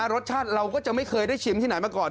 รสชาติเราก็จะไม่เคยได้ชิมที่ไหนมาก่อน